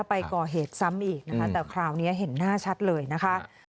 ไปก่อเหตุซ้ำอีกนะคะแต่คราวนี้เห็นหน้าชัดเลยนะคะ